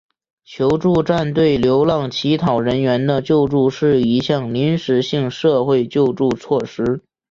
救助站对流浪乞讨人员的救助是一项临时性社会救助措施。